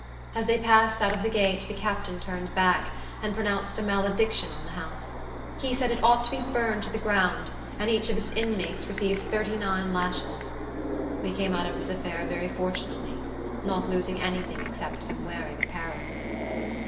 As they passed out of the gate, the captain turned back, and pronounced a malediction on the house. He said it ought to be burned to the ground, and each of its inmates receive thirty nine lashes. We came out of this affair very fortunately; not losing any thing except some wearing apparel.